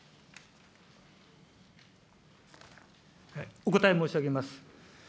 お答え申し上げます。